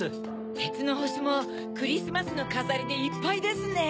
てつのほしもクリスマスのかざりでいっぱいですね。